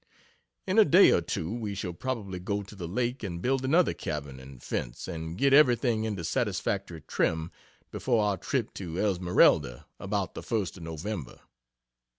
In a day or two we shall probably go to the Lake and build another cabin and fence, and get everything into satisfactory trim before our trip to Esmeralda about the first of November.